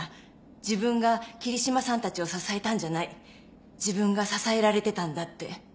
自分が桐島さんたちを支えたんじゃない自分が支えられてたんだって。